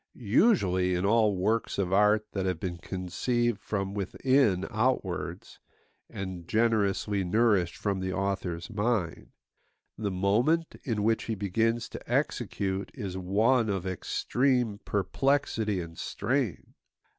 Usually in all works of art that have been conceived from within outwards, and generously nourished from the author's mind, the moment in which he begins to execute is one of extreme perplexity and strain.